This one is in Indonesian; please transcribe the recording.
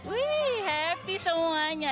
wih happy semuanya